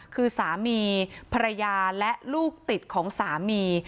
คือสามีภรรยาและลูกติดของสามี